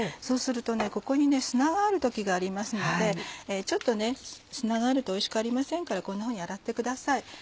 そうするとここに砂がある時がありますのでちょっと砂があるとおいしくありませんからこんなふうに洗ってください。